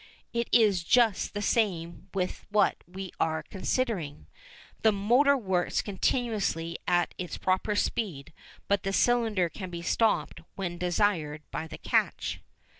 It is just the same with what we are considering. The motor works continuously at its proper speed, but the cylinder can be stopped when desired by the catch.